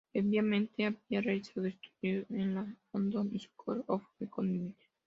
Previamente, había realizado estudios en la London School of Economics.